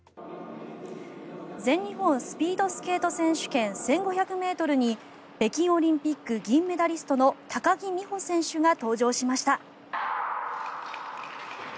全日本スピードスケート選手権１５００ｍに北京オリンピック銀メダリストの高木美帆選手が登場しました。